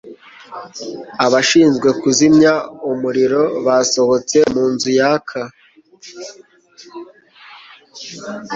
abashinzwe kuzimya umuriro basohotse mu nzu yaka